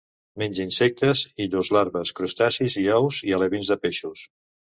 Menja insectes i llurs larves, crustacis i ous i alevins de peixos.